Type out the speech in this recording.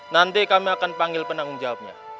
nanti kami akan panggil penanggung jawabnya